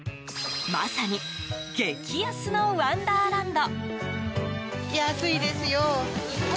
まさに激安のワンダーランド。